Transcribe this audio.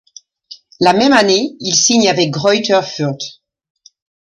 La même année il signe avec Greuther Fürth.